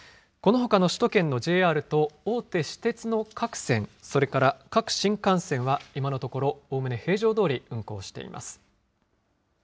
このほかの首都圏のＪＲと大手私鉄の各線、それから各新幹線は今のところ、おおむね平常どおり運行しています。